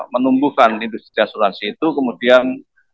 menumbuhkan industri asuransi itu kemudian